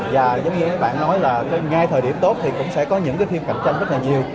và giống như các bạn nói là ngay thời điểm tốt thì cũng sẽ có những phiên cạnh tranh rất là nhiều